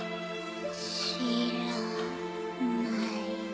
知らない。